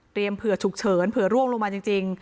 เผื่อฉุกเฉินเผื่อร่วงลงมาจริง